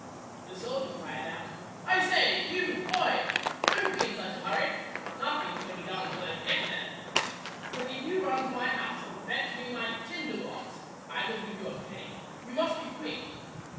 The soldier cried out, "I say, you boy! Don't be in such a hurry. Nothing can be done till I get there. But if you run to my house and fetch me my tinder box, I will give you a penny. You must be quick."